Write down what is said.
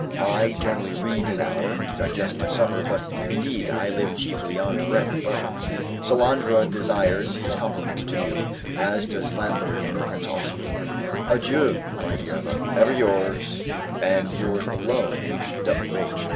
I generally read an hour, to digest my supper; but, indeed, I live chiefly on bread and butter. Salandra desires his compliments to you, as does Lamberg and Prince Ausberg. Adieu, my dear Emma! Ever your's, and your's alone, W.H.